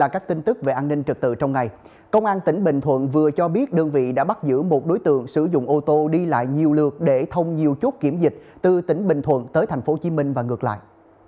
công an tỉnh bình thuận vừa cho biết đơn vị đã bắt giữ một đối tượng sử dụng ô tô đi lại nhiều lượt để thông nhiều chốt kiểm dịch từ tỉnh bình thuận tới tp hcm và ngược lại